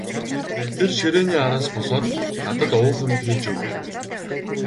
Тэр ширээний араас босоод надад уух юм хийж өгөв.